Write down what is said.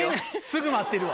すぐ待ってる。